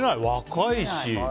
若いし。